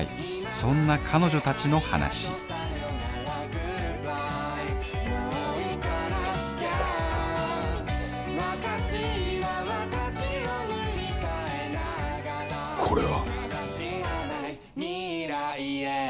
そんな彼女たちの話これは。